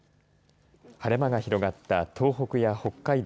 晴れ間が広がった東北や北海道